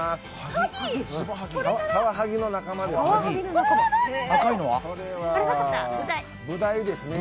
カワハギの仲間ですね。